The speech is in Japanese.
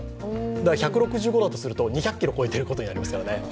だから１６５だとすると２００キロ超えてるってことになりますからね。